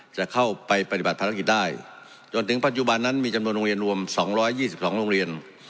จะเข้าไปปฏิบัติภารกิจได้จนถึงปัจจุบันนั้นมีจำนวนโรงเรียนรวม๒๒โรงเรียน